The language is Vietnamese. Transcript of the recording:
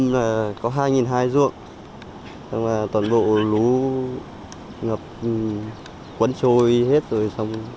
bây giờ nhà em có hai hai trăm linh ruộng toàn bộ lũ ngập quấn trôi hết rồi xong